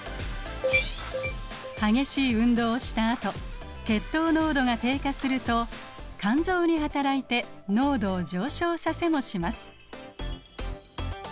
激しい運動をした後血糖濃度が低下すると肝臓にはたらいて濃度を上昇させもします。